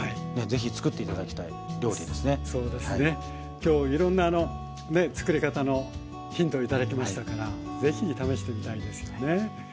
きょういろんなね作り方のヒントを頂きましたから是非試してみたいですよね。